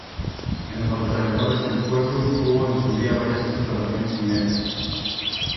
En los alrededores del pueblo hubo en su día varias explotaciones mineras.